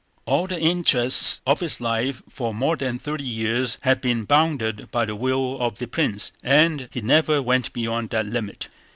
All the interests of his life for more than thirty years had been bounded by the will of the prince, and he never went beyond that limit.